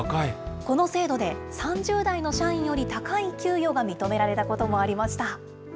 この制度で３０代の社員より高い給与が認められたこともありました。